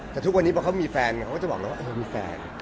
แต่ทุกวันนี้แบบเขามีแฟนของเขาเราก็จะบอกว่าเฮ้ยมีแฟน